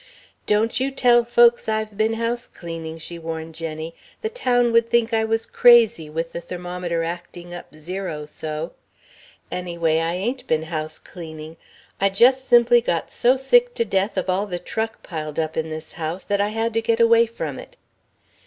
"Don't you tell folks I've been house cleaning," she warned Jenny. "The town would think I was crazy, with the thermometer acting up zero so. Anyway, I ain't been house cleaning. I just simply got so sick to death of all the truck piled up in this house that I had to get away from it.